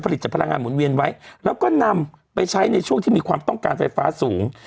แล้วก็นำไปใช้ในช่วงที่มีความต้องการไฟฟ้าสูง